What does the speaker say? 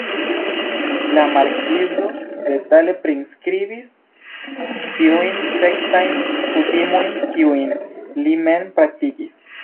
La markizo detale priskribis tiujn seksajn kutimojn, kiujn li mem praktikis.